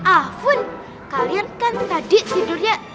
afun kalian kan tadi tidurnya